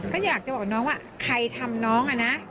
ก็อยากจะบอกน้องว่าใครทำน้องอะนะ